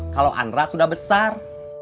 kalau anra sudah besar